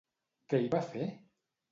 Què hi va fer?